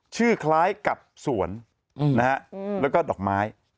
ชื่อคล้ายกับสวนนะฮะแล้วก็ดอกไม้